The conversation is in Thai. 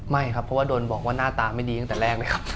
ไม่ครับเพราะว่าโดนบอกว่าหน้าตาไม่ดีตั้งแต่แรกเลยครับ